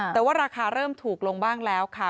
แต่ว่าราคาเริ่มถูกลงบ้างแล้วค่ะ